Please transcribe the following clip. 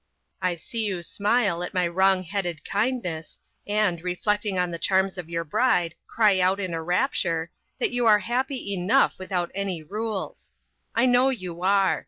I see you smile at my wrong headed kindness, and, reflecting on the charms of your bride, cry out in a rapture, that you are happy enough without any rules. I know you are.